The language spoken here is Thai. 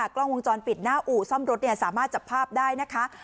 กล้องวงจรปิดหน้าอู่ซ่อมรถสามารถจับภาพได้นะคะ